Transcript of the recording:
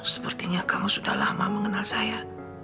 sepertinya kamu sudah lama mengenal saya